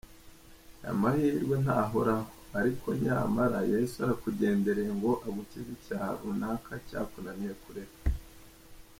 Aya mahirwe ntahoraho, ariko nyamara Yesu arakugendereye ngo agukize icyaha runaka cyakunaniye kureka.